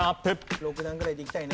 ６段ぐらいでいきたいね